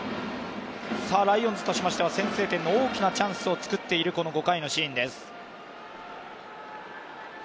ライオンズとしましては先制点の大きなチャンスをつくっているこの５回のシーンです。